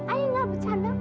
ayah nggak bercanda